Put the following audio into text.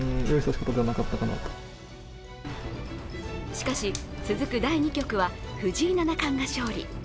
しかし、続く第２局は藤井七冠が勝利。